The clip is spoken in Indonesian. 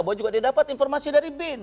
bahwa juga dia dapat informasi dari bin